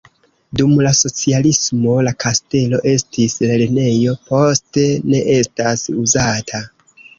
Dum la socialismo la kastelo estis lernejo, poste ne estas uzata.